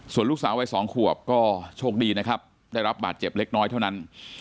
ส่วนลูกสาววัย๒ขวบก็โชคดีนะครับได้รับบาดเจ็บเล็กน้อยเท่านั้น